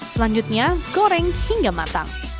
selanjutnya goreng hingga matang